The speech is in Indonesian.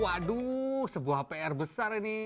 waduh sebuah pr besar ini